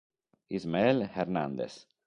Ismael Hernández